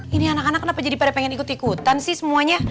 ini anak anak kenapa jadi pada pengen ikut ikutan sih semuanya